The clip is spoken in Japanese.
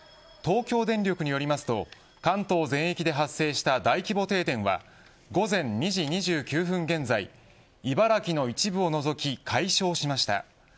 東京電力によりますと関東全域で発生した大規模停電は午前２時２９分現在茨城の一部を除き解消しました。